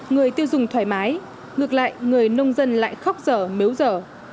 người tiêu dùng thoải mái ngược lại người nông dân lại khóc dở nếu dở